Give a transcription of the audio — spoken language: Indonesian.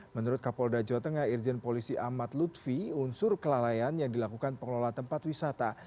menurut kapolda jawa tengah irjen polisi ahmad lutfi unsur kelalaian yang dilakukan pengelola tempat wisata